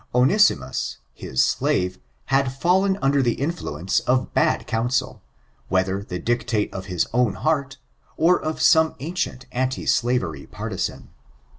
Oneaimos, his slave, had fallen under the influence of bad counsel; whether the dictate of his own heart, or of some ancient anti slavery pardzan.